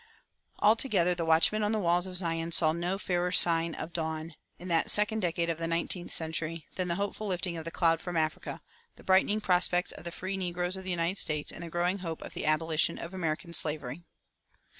Altogether the watchmen on the walls of Zion saw no fairer sign of dawn, in that second decade of the nineteenth century, than the hopeful lifting of the cloud from Africa, the brightening prospects of the free negroes of the United States, and the growing hope of the abolition of American slavery.